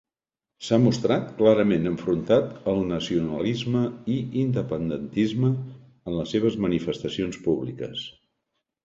S'ha mostrat clarament enfrontat al nacionalisme i independentisme en les seves manifestacions públiques.